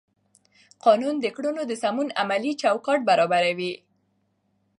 قانون د کړنو د سمون عملي چوکاټ برابروي.